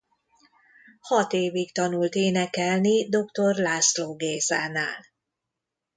Hat évig tanult énekelni dr. László Gézánál.